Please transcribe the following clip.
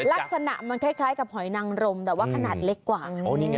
ลักษณะมันคล้ายกับหอยนังรมแต่ว่าขนาดเล็กกว่า